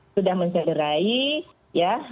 sudah mencegerai ya